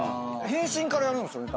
変身からやるんすよね？